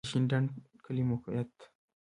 د شینډنډ کلی موقعیت